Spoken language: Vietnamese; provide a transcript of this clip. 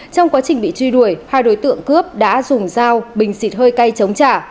trong quá trình bị truy đuổi hai đối tượng cướp đã dùng dao bình xịt hơi cay chống trả